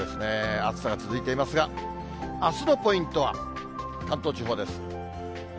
暑さが続いていますが、あすのポイントは、関東地方です。